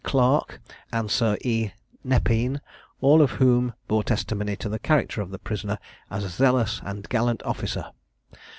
Clarke, and Sir E. Nepean, all of whom bore testimony to the character of the prisoner as a zealous and gallant officer.